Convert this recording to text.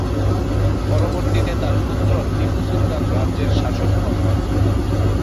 পরবর্তীতে তার পুত্র টিপু সুলতান রাজ্যের শাসক হন।